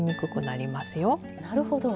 なるほど。